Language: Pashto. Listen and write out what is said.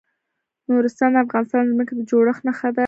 نورستان د افغانستان د ځمکې د جوړښت نښه ده.